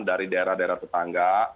dari daerah daerah tetangga